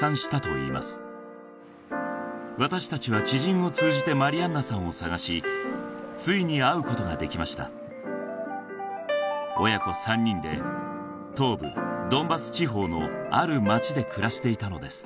私たちは知人を通じてマリアンナさんを捜しついに会うことができました親子３人で東部ドンバス地方のある町で暮らしていたのです・